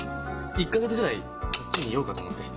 １か月ぐらいこっちにいようかと思って。